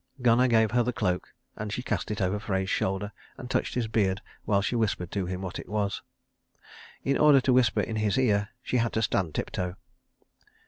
Gunnar gave her the cloak, and she cast it over Frey's shoulder, and touched his beard while she whispered to him what it was. In order to whisper in his ear she had to stand tiptoe.